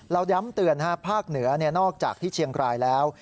ย้ำเตือนภาคเหนือนอกจากที่เชียงรายแล้ว